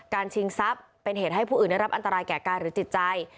ชิงทรัพย์เป็นเหตุให้ผู้อื่นได้รับอันตรายแก่กายหรือจิตใจ